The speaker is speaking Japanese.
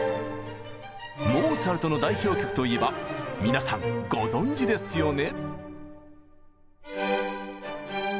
モーツァルトの代表曲といえば皆さんご存じですよね。